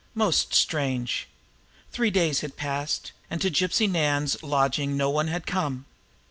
Most strange! Three days had passed, and to Gypsy Nan's lodging no one had come.